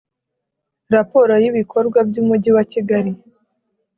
raporo y ibikorwa by umujyi wa kigali